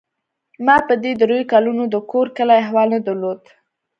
ما په دې درېو کلونو د کور کلي احوال نه درلود.